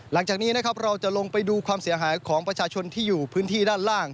หลังจากนี้นะครับเราจะลงไปดูความเสียหายของประชาชนที่อยู่พื้นที่ด้านล่าง